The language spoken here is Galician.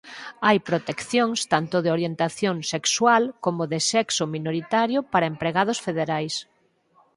Hai proteccións tanto de orientación sexual como de sexo minoritario para empregados federais.